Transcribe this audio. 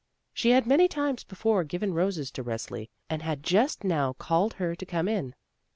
She had many times before given roses to Resli, and had just now called her to come in.